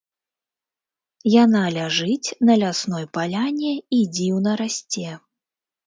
Яна ляжыць на лясной паляне і дзіўна расце.